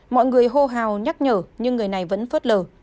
mọi người hô hào nhắc nhở nhưng người này vẫn phớt lờ